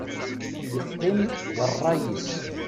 Yeqqim d rray-is.